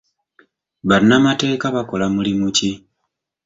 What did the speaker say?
Bannamateeka bakola mulimu ki?